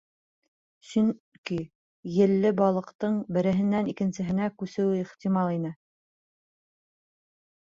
Сөнки елле балыҡтың береһенән икенсеһенә күсеүе ихтимал ине.